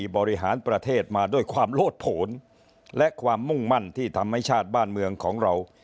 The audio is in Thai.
บริหารประเทศมาด้วยความโลดผลและความมุ่งมั่นที่ทำให้ชาติบ้านเมืองของเรา